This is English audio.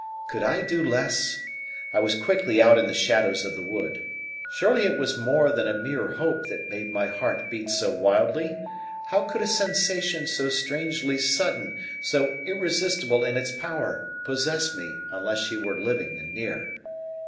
Could I do less! I was quickly out in the shadows of the wood. Surely it was more than a mere hope that made my heart beat so wildly! How could a sensation so strangely sudden, so irresistible in its power, possess me unless she were living and near?